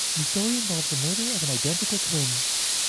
The story involves the murder of an identical twin.